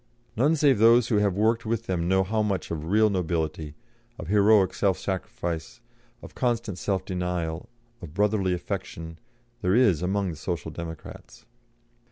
None save those who have worked with them know how much of real nobility, of heroic self sacrifice, of constant self denial, of brotherly affection, there is among the Social Democrats.